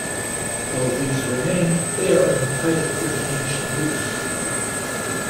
Though these remain, they are in private residential use.